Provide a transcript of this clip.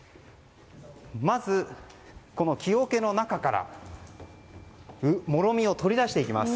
まず、木おけの中からもろみを取り出していきます。